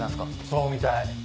そうみたい。